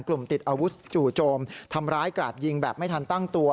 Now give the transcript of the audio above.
ติดอาวุธจู่โจมทำร้ายกราดยิงแบบไม่ทันตั้งตัว